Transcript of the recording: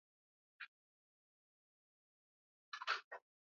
Pamoja na mauzo haramu ya silaha